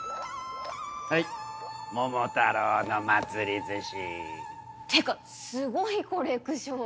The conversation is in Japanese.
はい桃太郎の祭ずし。ってかすごいコレクション。